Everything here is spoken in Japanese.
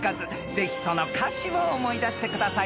［ぜひその歌詞を思い出してください］